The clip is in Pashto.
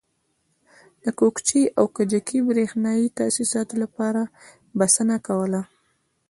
د کوکچې او کجکي برېښنایي تاسیساتو لپاره بسنه کوله.